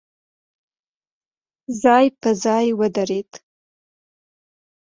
ځای په ځای ودرېد.